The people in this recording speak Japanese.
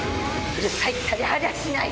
うるさいったらありゃしない！